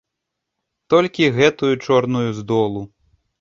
Толькі гэтую чорную з долу.